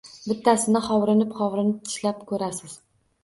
Bittasini hovrinib-hovrinib tishlab ko‘rasiz